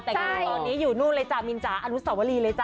แต่งานตอนนี้อยู่นู่นเลยจ้ะมินจ๋าอนุสวรีเลยจ้